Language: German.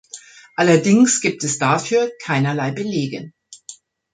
Allerdings gibt es dafür keinerlei Belege.